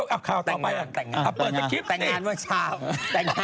เอาใจ